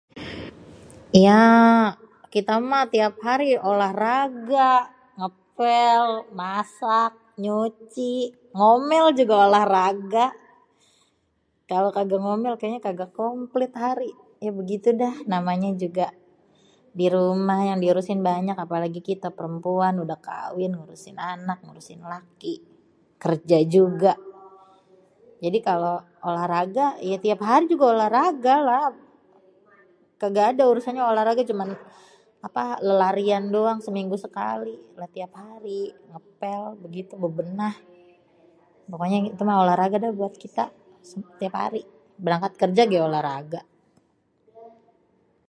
ya kita mah tiap hari olahraga masak nyuci ngomèl juga olahraga kalo kaga ngomèl kayanya kaga komplit hari ya begitudèh namnya juga dirumah yang diurusin banyak apalagi kita perempuan kawin ngurusin anak ngurusin laki kerja juga jadi kalo olahraga yè setiap hari juga olahraga lah kaga ada urusannya olahraga cuman lèlarian doang cuman seminngu sekali lah setiap hari ngèpèl gitu bèbènah pokoknyè olahraga dah kita setiap hari berangkat kerja gè olahraga